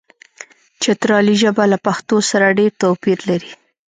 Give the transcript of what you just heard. چترالي ژبه له پښتو سره ډېر توپیر لري.